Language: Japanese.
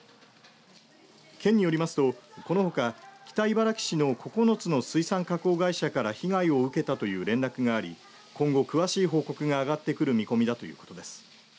県によりますとこのほか北茨城市の９つの水産加工会社から被害を受けたという連絡があり今後詳しい報告が上がってくる見込みだということです。